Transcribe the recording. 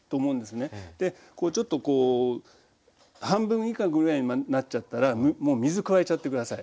こうちょっとこう半分以下ぐらいまでなっちゃったらもう水加えちゃって下さい。